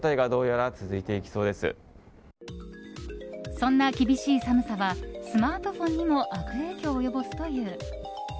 そんな厳しい寒さはスマートフォンにも悪影響を及ぼすという。